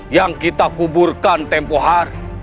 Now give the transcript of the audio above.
yang kita kuburkan tempoh hari